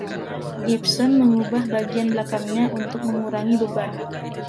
Gibson mengubah bagian belakangnya untuk mengurangi beban.